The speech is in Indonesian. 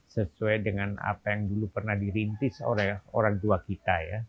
sesuai dengan apa yang dulu pernah dirintis oleh orang tua kita ya